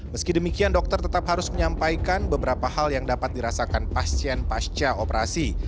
meski demikian dokter tetap harus menyampaikan beberapa hal yang dapat dirasakan pasien pasca operasi